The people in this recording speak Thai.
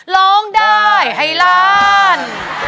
ร้องได้ให้ล้าน